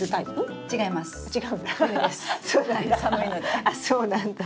あそうなんだ。